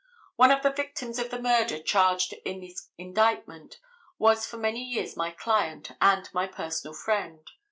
One of the victims of the murder charged in this indictment was for many years my client and my personal friend.